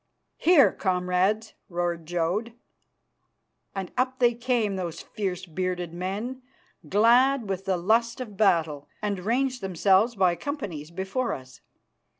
"Here, comrades!" roared Jodd, and up they came those fierce, bearded men, glad with the lust of battle, and ranged themselves by companies before us.